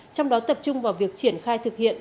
trong đó tập trung vào việc triển khai thực hiện